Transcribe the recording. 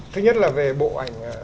thứ nhất là về bộ ảnh